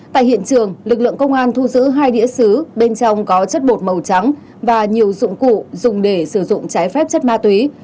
tại hiện trường lực lượng công an thu giữ hai đĩa xứ bên trong có chất bột màu trắng và nhiều dụng cụ dùng để sử dụng trái phép chất ma túy